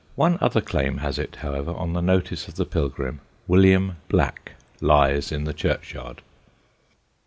One other claim has it, however, on the notice of the pilgrim: William Black lies in the churchyard.